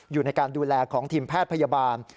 อยู่ในการดูแลของทีมแพทย์พยาบาล